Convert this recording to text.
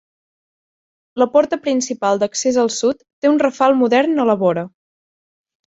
La porta principal d'accés al sud té un rafal modern a la vora.